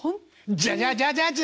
「ジャジャジャジャジャ」